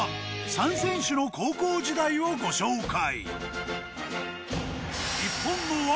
３選手の高校時代をご紹介。